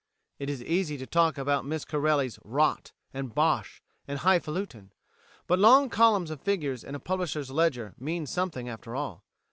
It is easy to talk about Miss Corelli's "rot" and "bosh" and "high falutin," but long columns of figures in a publisher's ledger mean something after all.